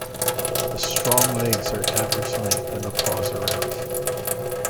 The strong legs are average length and the paws are round.